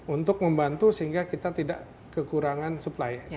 untuk membantu sehingga kita tidak kekurangan supplier